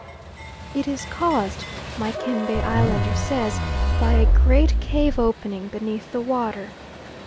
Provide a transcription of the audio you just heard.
It is caused, my Kembe islander says, by a great cave opening beneath the water.